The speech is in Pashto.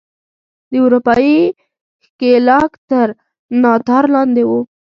د اروپايي ښکېلاک تر ناتار لاندې وو.